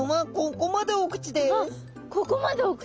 ここまでお口！